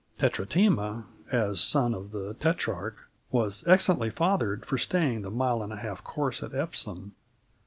Tetratema, as son of the Tetrarch, was excellently fathered for staying the mile and a half course at Epsom.